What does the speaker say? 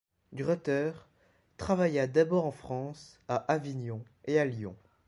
Greuter travailla d'abord en France, à Avignon et à Lyon.